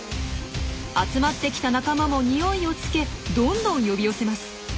集まってきた仲間も匂いをつけどんどん呼び寄せます。